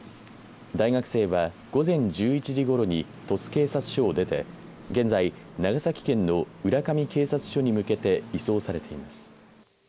大学生は、午前１１時ごろに鳥栖警察署を出て現在長崎県の浦上警察署に向けて移送されています。